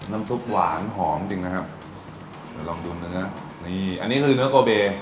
น้ำซุปหวานหอมจริงนะครับเดี๋ยวลองดูเนื้อนี่อันนี้คือเนื้อโกเบ